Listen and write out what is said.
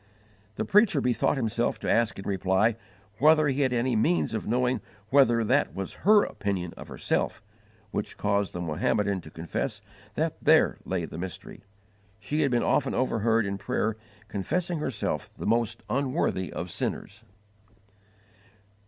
The preacher bethought himself to ask in reply whether he had any means of knowing whether that was her opinion of herself, which caused the Mohammedan to confess that there lay the mystery: she had been often overheard in prayer confessing herself the most unworthy of sinners.